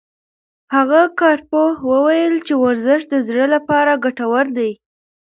هغه کارپوه وویل چې ورزش د زړه لپاره ګټور دی.